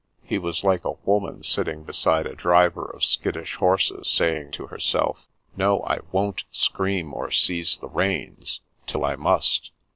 He was like a woman sitting beside a driver of skittish horses, saying to herself :" No, I won't scream or seize the reins till I must